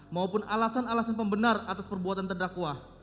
maupun alasan alasan pembenar atas perbuatan terdakwa